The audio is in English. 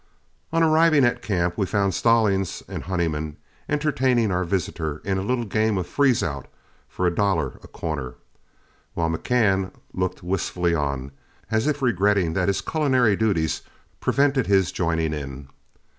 On arriving at camp we found Stallings and Honeyman entertaining our visitor in a little game of freeze out for a dollar a corner, while McCann looked wistfully on, as if regretting that his culinary duties prevented his joining in.